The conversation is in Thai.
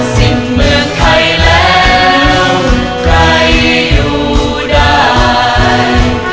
สิ้นเมืองไทยแล้วใครอยู่ได้